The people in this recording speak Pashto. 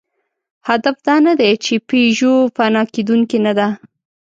هدف دا نهدی، چې پيژو فنا کېدونکې نهده.